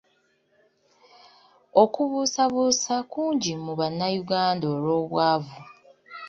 Okubuusabuusa kungi mu Bannayuganda olw’obwavu.